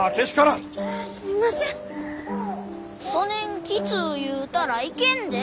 そねんきつう言うたらいけんで。